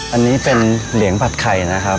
อันนี้เป็นเหลียงผัดไข่นะครับ